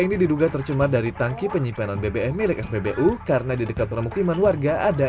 ini diduga tercemar dari tangki penyimpanan bbm milik spbu karena di dekat permukiman warga ada